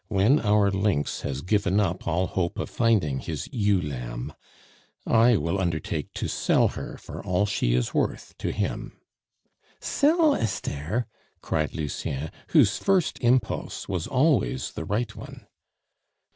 When our lynx has given up all hope of finding his ewe lamb, I will undertake to sell her for all she is worth to him " "Sell Esther!" cried Lucien, whose first impulse was always the right one.